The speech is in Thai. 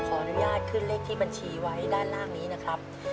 ขออนุญาตขึ้นเลขที่บัญชีไว้ด้านล่างนี้นะครับ